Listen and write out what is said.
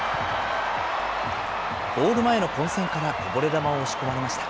ゴール前の混戦からこぼれ球を押し込まれました。